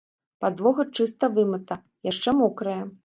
Падлога чыста вымыта, яшчэ мокрая.